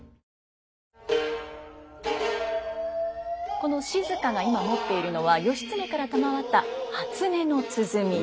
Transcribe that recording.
この静が今持っているのは義経から賜った初音の鼓。